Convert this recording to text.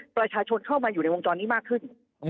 ประชาชนเข้ามาอยู่ในวงจรนี้มากขึ้น